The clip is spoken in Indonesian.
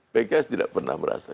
pks tidak pernah merasa